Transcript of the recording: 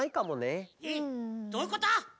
えっどういうこと！？